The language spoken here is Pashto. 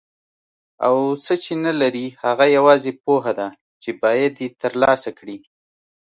او څه چې نه لري هغه یوازې پوهه ده چې باید یې ترلاسه کړي.